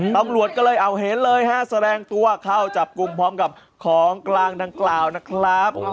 ตำรวจก็เลยเอาเห็นเลยฮะแสดงตัวเข้าจับกลุ่มพร้อมกับของกลางดังกล่าวนะครับ